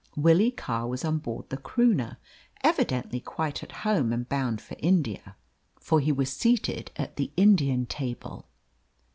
Willie Carr was on board the Croonah, evidently quite at home, and bound for India, for he was seated at the Indian table.